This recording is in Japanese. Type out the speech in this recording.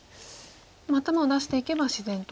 頭を出していけば自然と。